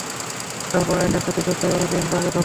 তারপর একে একে নেতৃস্থানীয় অনেকে এসে সমবেত হল।